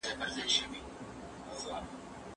زه به سبا سبزیجات تيار کړم!.